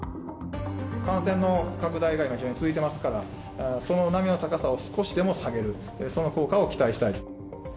感染の拡大の波が非常に続いていますから、その波の高さを少しでも下げる、その効果を期待したい。